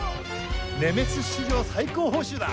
ネメシス史上最高報酬だ！